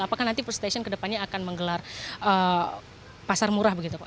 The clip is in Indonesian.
apakah nanti food station ke depannya akan menggelar pasar murah